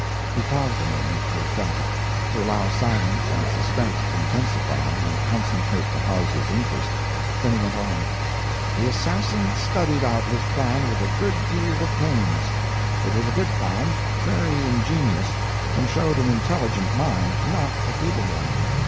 He paused a moment, for effect to allow silence and suspense to intensify and concentrate the house's interest; then he went on: "The assassin studied out his plan with a good deal of pains. It was a good plan, very ingenious, and showed an intelligent mind, not a feeble one.